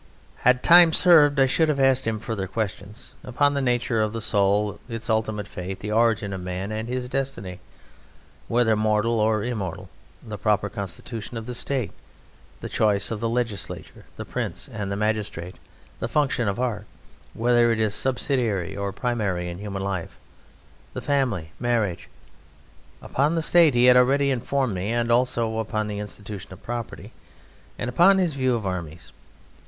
Had time served I should have asked him further questions upon the nature of the soul, its ultimate fate, the origin of man and his destiny, whether mortal or immortal; the proper constitution of the State, the choice of the legislator, the prince, and the magistrate; the function of art, whether it is subsidiary or primary in human life; the family; marriage. Upon the State he had already informed me, and also upon the institution of property, and upon his view of armies.